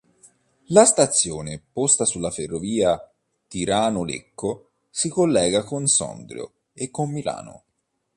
La stazione, posta sulla ferrovia Tirano-Lecco, si collega con Sondrio e con Milano.